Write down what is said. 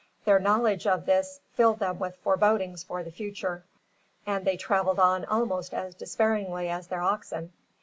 Their knowledge of this filled them with forebodings for the future, and they travelled on almost as despairingly as their oxen.